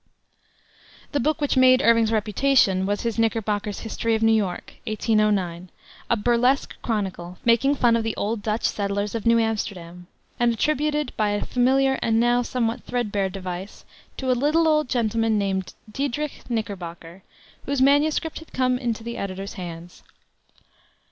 The book which made Irving's reputation was his Knickerbocker's History of New York, 1809, a burlesque chronicle, making fun of the old Dutch settlers of New Amsterdam, and attributed, by a familiar and now somewhat threadbare device, to a little old gentleman named Diedrich Knickerbocker, whose manuscript had come into the editor's hands.